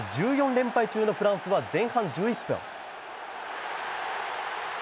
連敗中のフランスは前半１１分。